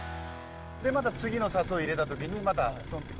でまた次の誘い入れた時にまたチョンってくるんです。